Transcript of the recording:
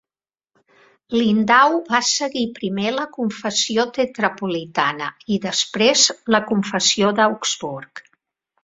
Lindau va seguir primer la Confessió Tetrapolitana i, després, la Confessió d'Augsburg.